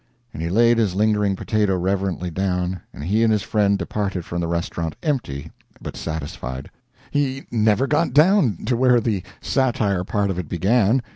And he laid his lingering potato reverently down, and he and his friend departed from the restaurant empty but satisfied. He NEVER GOT DOWN to where the satire part of it began.